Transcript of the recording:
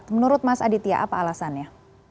menurut mas aditya apa alasannya